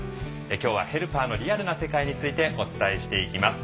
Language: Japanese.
今日はヘルパーのリアルな世界についてお伝えしていきます。